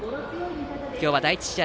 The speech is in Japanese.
今日は第１試合